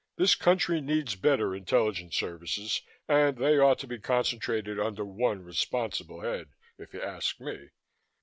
This country needs better intelligence services and they ought to be concentrated under one responsible head, if you ask me."